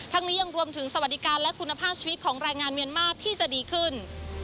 นี้ยังรวมถึงสวัสดิการและคุณภาพชีวิตของแรงงานเมียนมาสที่จะดีขึ้น